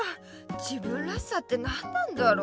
自分らしさって何なんだろう。